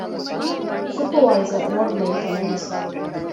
ސްޕަވައިޒަރ، ރޯޑް މެއިންޓެނަންސް